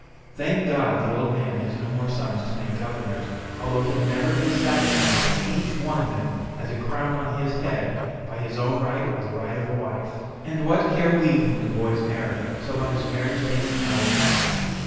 Thank God, the old man has no more sons to make governors, although he'll never be satisfied till each one of them has a crown on his head, by his own right or the right of a wife." "And what care we whom the boys marry, so long as marriage takes them out of France?